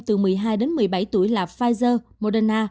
từ một mươi hai đến một mươi bảy tuổi